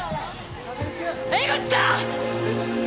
江口さん！